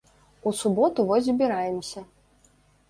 У суботу вось збіраемся.